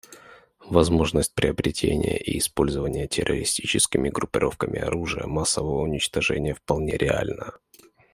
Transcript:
Возможность приобретения и использования террористическими группировками оружия массового уничтожения вполне реальна.